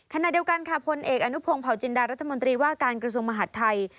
ขณะเดียวกันค่ะพลเอกอนุพงศ์เผาจินดารัฐมนตรีว่าการกระทรวงมหาดไทย